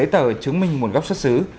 trên nguồn góc xuất xứ